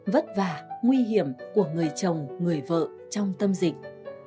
vất vả nguy hiểm của người chồng người vợ trong tâm dịch